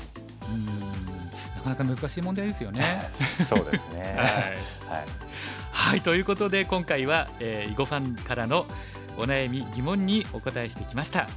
そうですね。ということで今回は囲碁ファンからのお悩み疑問にお答えしてきました。